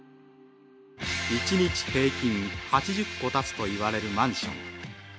一日平均８０戸建つといわれるマンション